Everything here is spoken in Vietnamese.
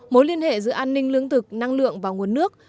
mối liên hệ giữa an ninh lương thực năng lượng và nguồn nước